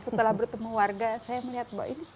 setelah bertemu warga saya melihat bahwa ini